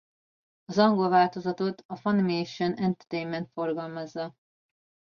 Az angol változatot a Funimation Entertainment forgalmazza.